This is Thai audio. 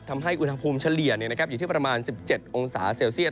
ทำให้อุณหภูมิเฉลี่ยอยู่ที่ประมาณ๑๗องศาเซลเซียต